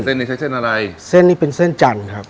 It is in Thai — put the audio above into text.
เส้นนี้ใช้เส้นอะไรเส้นนี้เป็นเส้นจันทร์ครับ